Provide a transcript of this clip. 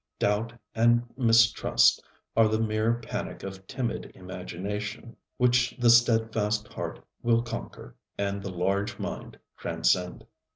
Doubt and mistrust are the mere panic of timid imagination, which the steadfast heart will conquer, and the large mind transcend.